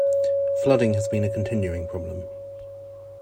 Flooding has been a continuing problem.